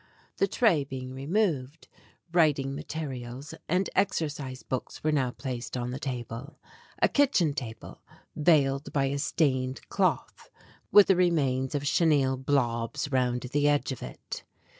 The tray being removed, writing materials and exercise books were now placed on the table a kitchen table veiled by a stained cloth, with the remains of chenille blobs round the edge of it.